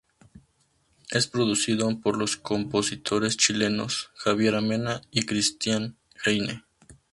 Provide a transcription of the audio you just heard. Es producido por los compositores chilenos, Javiera Mena y Cristián Heyne.